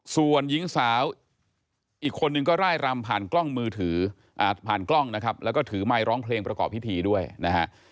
ส่วนหญิงสาวอีกคนนึงก็ไล่รำผ่านกล้องมือถือผ่านกล้องนะครับแล้วก็ถือไมค์ร้องเพลงประกอบพิธีด้วยนะฮะ